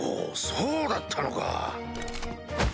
そうだったのか！